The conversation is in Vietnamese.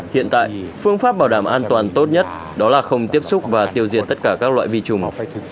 hiện tại phương pháp bảo đảm an toàn tốt nhất đó là không tiếp xúc và tiêu diệt tất cả các loại vi trùng học